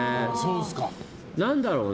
何だろうね。